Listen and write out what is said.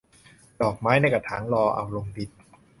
ดอกไม้ในกระถางรอเอาลงดิน